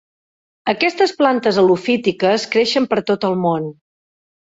Aquestes plantes halofítiques creixen per tot el món.